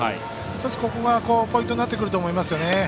ここが一つポイントになってくると思います。